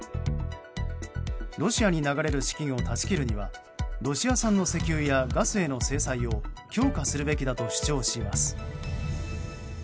ロシアに流れる資金を断ち切るにはロシア産の石油やガスへの制裁を強化するべきだと主張します。